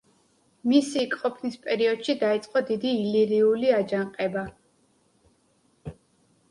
მისი იქ ყოფნის პერიოდში დაიწყო დიდი ილირიული აჯანყება.